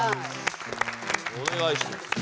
お願いします。